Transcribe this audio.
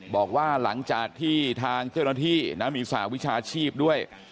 บอกว่าหลังจากที่ทางเจ้าหน้าที่มีสหวิชาชีพด้วย